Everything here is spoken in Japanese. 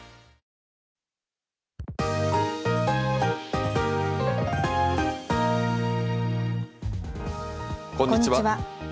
こんにちは。